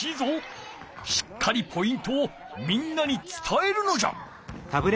しっかりポイントをみんなにつたえるのじゃ。